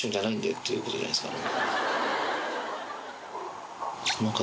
っていうことじゃないですかね。